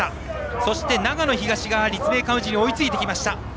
そして長野東が立命館宇治に追いついてきました。